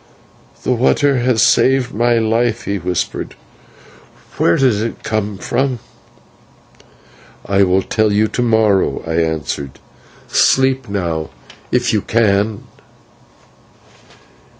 "That water has saved my life," he whispered; "where did it come from?" "I will tell you to morrow," I answered; "sleep now if you can."